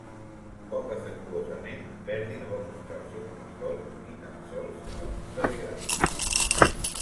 Poc afectuosament, Verdi no va mostrar el seu condol ni tan sols amb un telegrama.